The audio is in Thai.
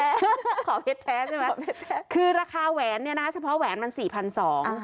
ขอเพชรแท้ใช่ไหมขอเพชรแท้คือราคาแหวนเนี้ยนะเฉพาะแหวนมันสี่พันสองอ่า